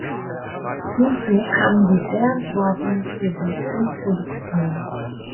Hinzu kam die Verantwortung für die Filmproduktion.